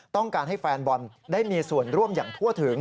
ต้องการให้แฟนบอลได้มีส่วนร่วมอย่างทั่วถึง